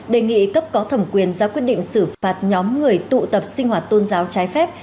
đề nghị cấp có thẩm quyền ra quyết định xử phạt nhóm người tụ tập sinh hoạt tôn giáo trái phép